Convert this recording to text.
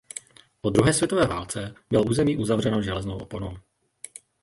Po druhé světové válce bylo území uzavřeno železnou oponou.